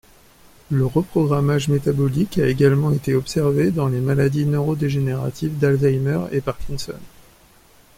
Le reprogrammage métabolique a également été observé dans les maladies neurodégénératives d'Alzheimer et Parkinson.